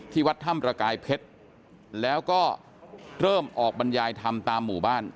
วัดถ้ำประกายเพชรแล้วก็เริ่มออกบรรยายธรรมตามหมู่บ้าน